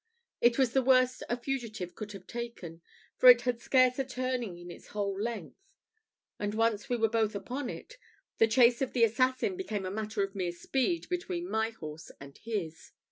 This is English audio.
It was the worst a fugitive could have taken, for it had scarce a turning in its whole length; and, once we were both upon it, the chase of the assassin became a matter of mere speed between my horse and his.